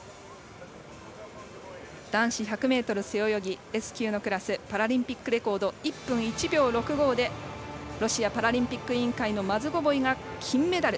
男子１００ｍ背泳ぎＳ９のクラスパラリンピックレコード１分１秒６５でロシアパラリンピック委員会のマズゴボイが金メダル。